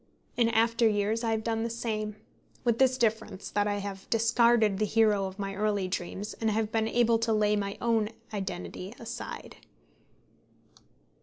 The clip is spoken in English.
In after years I have done the same, with this difference, that I have discarded the hero of my early dreams, and have been able to lay my own identity aside.